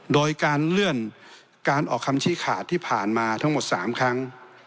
โดยการเลื่อนการออกคำชี้ขาดที่ผ่านมาทั้งหมด๓ครั้ง